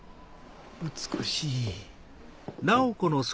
美しい。